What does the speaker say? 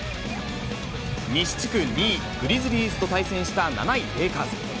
西地区２位、グリズリーズと対戦した７位、レイカーズ。